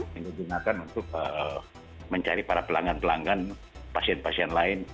yang digunakan untuk mencari para pelanggan pelanggan pasien pasien lain